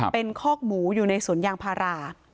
เป็นคอกหมูอยู่ในสวนยางพารา